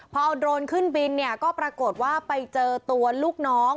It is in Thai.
พอเอาโดรนขึ้นบินเนี่ยก็ปรากฏว่าไปเจอตัวลูกน้อง